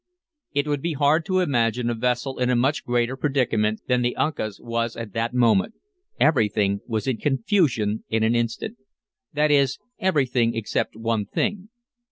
It would be hard to imagine a vessel in a much greater predicament than the Uncas was at that moment. Everything was in confusion in an instant. That is everything except one thing.